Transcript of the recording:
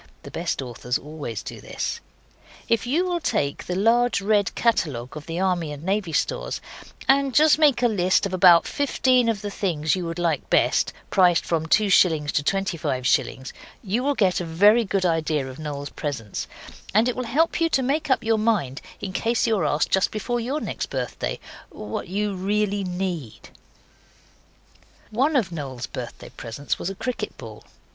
(The best authors always do this.) If you will take the large, red catalogue of the Army and Navy Stores, and just make a list of about fifteen of the things you would like best prices from 2s. to 25s. you will get a very good idea of Noel's presents, and it will help you to make up your mind in case you are asked just before your next birthday what you really NEED. One of Noel's birthday presents was a cricket ball.